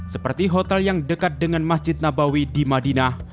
seperti hotel yang dekat dengan masjid nabawi di madinah